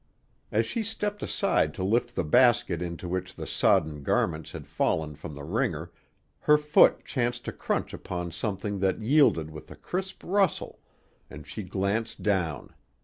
As she stepped aside to lift the basket into which the sodden garments had fallen from the wringer, her foot chanced to crunch upon something that yielded with a crisp rustle, and she glanced down.